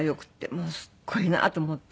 もうすごいなと思って。